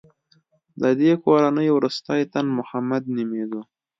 د دې کورنۍ وروستی تن محمد نومېده.